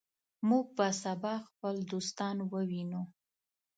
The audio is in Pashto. موږ به سبا خپل دوستان ووینو.